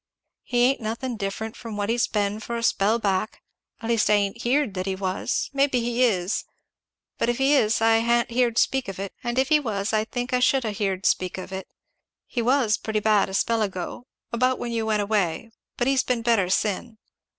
"He ain't nothin' different from what he's been for a spell back at least I ain't heerd that he was. Maybe he is, but if he is I han't heerd speak of it, and if he was, I think I should ha' heerd speak of it. He was pretty bad a spell ago about when you went away but he's been better sen.